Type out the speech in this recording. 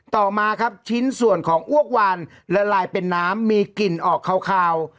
ต่อมาครับชิ้นส่วนของอ้วกวานละลายเป็นน้ำมีกลิ่นออกคาว